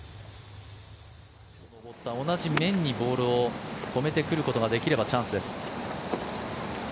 同じ面にボールを止めてくることができればチャンスです。